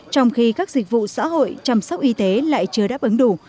trong khi các dịch vụ xã hội chăm sóc y tế lại chưa đáp ứng đủ